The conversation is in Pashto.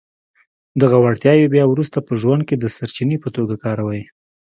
دغه وړتياوې بيا وروسته په ژوند کې د سرچینې په توګه کاروئ.